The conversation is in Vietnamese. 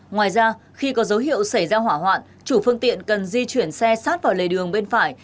ngoài ra khi có dấu hiệu xảy ra hỏa hoạn chủ phương tiện cần di chuyển xe sát vào lề đường bên phải